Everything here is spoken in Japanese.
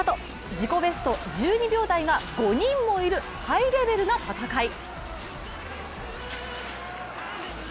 自己ベスト１２秒台が５人もいるハイレベルな戦い。